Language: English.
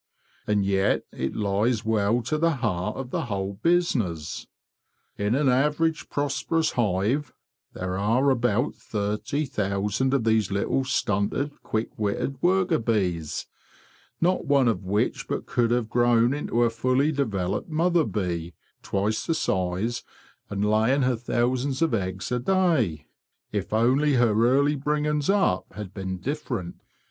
And yet it lies well to the heart of the whole business. In an average prosperous hive there are about thirty thousand of these little stunted, quick witted worker bees, not one of which but could have grown into a fully developed mother bee, twice the size, and laying her thousands of eggs a day, if only her early bringings up had been different.